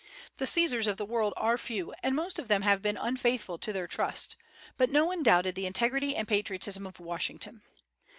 The Caesars of the world are few, and most of them have been unfaithful to their trust, but no one doubted the integrity and patriotism of Washington.